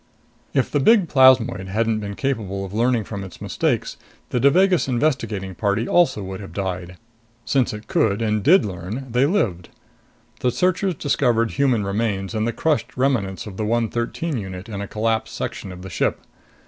If the big plasmoid hadn't been capable of learning from its mistakes, the Devagas investigating party also would have died. Since it could and did learn, they lived. The searchers discovered human remains and the crushed remnants of the 113 unit in a collapsed section of the ship.